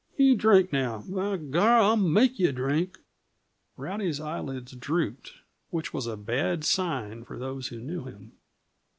You drink, now! By Gar, I make you drink!" Rowdy's eyelids drooped, which was a bad sign for those who knew him.